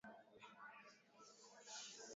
Uchimbaji hufanya matokeo ya kutokwa kwa maji ya mvua